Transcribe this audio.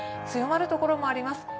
強まる所もあります。